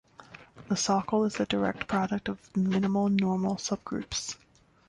The socle is a direct product of minimal normal subgroups.